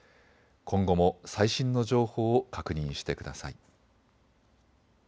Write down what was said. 今後も最新の情報を確認してください。